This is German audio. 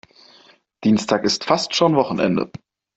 Dienstag ist fast schon Wochenende.